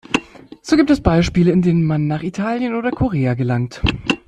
So gibt es Beispiele, in denen man nach Italien oder Korea gelangt.